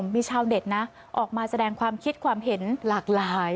มีชาวเน็ตนะออกมาแสดงความคิดความเห็นหลากหลาย